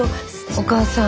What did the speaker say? お母さん。